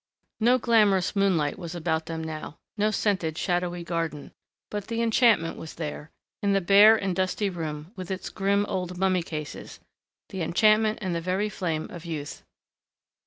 No glamorous moonlight was about them now. No scented shadowy garden.... But the enchantment was there, in the bare and dusty room, with its grim old mummy cases, the enchantment and the very flame of youth.